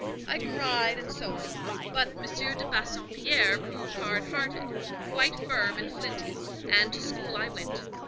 I cried, and so on; but M. de Bassompierre proved hard hearted, quite firm and flinty, and to school I went.